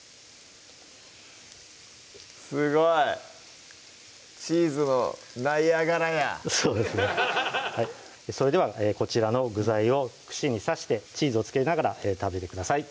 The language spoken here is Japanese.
すごいチーズのナイアガラやそれではこちらの具材を串に刺してチーズをつけながら食べてください